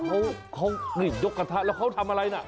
นี่เขาหลีกยกกระทะแล้วเขาทำอะไรนะ